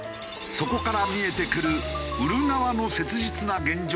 そこから見えてくる売る側の切実な現状とは？